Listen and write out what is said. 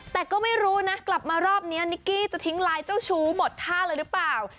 แต่ก็ไม่รู้นะกลับมารอบนี้นิกกี้จะทิ้งไลน์เจ้าชู้หมดท่าเลยหรือเปล่า